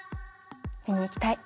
見に行きたい。